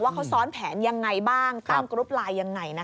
ว่าเขาซ้อนแผนอย่างไรบ้างตั้งกรุ๊ปลายอย่างไร